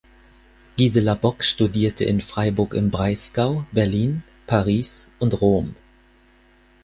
Gisela Bock studierte in Freiburg im Breisgau, Berlin, Paris und Rom.